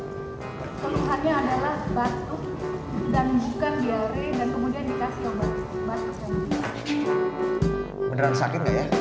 jangan kepaduan sakit ya